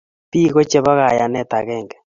Biko chebo kayanet agenge